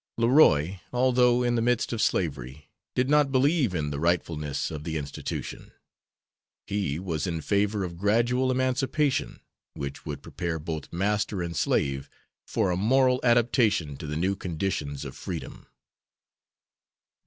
Leroy, although in the midst of slavery, did not believe in the rightfulness of the institution. He was in favor of gradual emancipation, which would prepare both master and slave for a moral adaptation to the new conditions of freedom.